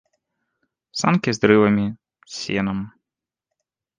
Санкі з дрывамі, з сенам.